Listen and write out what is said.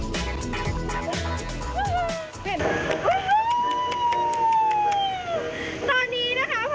ตอนนี้นะคะพลายเป็นกดชนะแล้ว